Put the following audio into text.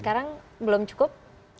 sekarang belum cukup